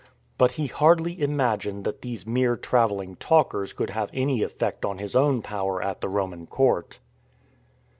But he hardly imagined that these mere travelling talkers could have any effect on his own power at the Roman Court.